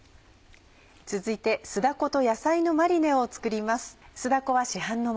続いて酢だこと野菜のマリネを作ります。